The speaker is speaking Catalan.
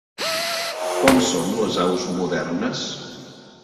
Com són les aus modernes?